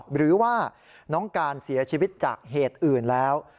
หรือว่าน้องการเสียชีวิตจากเหตุอื่นแล้ว